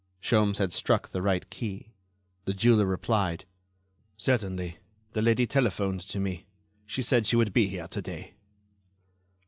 Sholmes had struck the right key. The jeweler replied: "Certainly; the lady telephoned to me. She said she would be here to day."